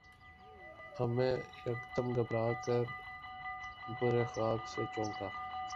امیں یکدم گھبرا کر برے خواب سے چونکا